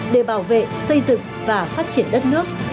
để bảo vệ xây dựng và phát triển đất nước